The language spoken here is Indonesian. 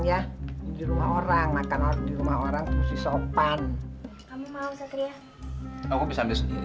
ya di rumah orang makan di rumah orang terus di sopan kamu mau saya aku bisa bisa sendiri